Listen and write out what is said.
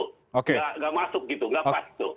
nggak masuk gitu nggak pas itu